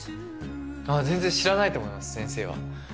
全然知らないと思います先生は。